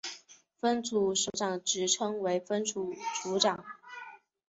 分处首长职称为分处处长。